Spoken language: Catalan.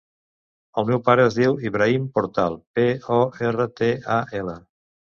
El meu pare es diu Ibrahim Portal: pe, o, erra, te, a, ela.